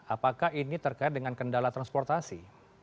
apakah ini terkait dengan kendala transportasi